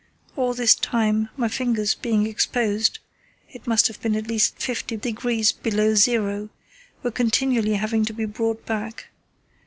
All this time my fingers, being exposed (it must have been at least 50° below zero), were continually having to be brought back.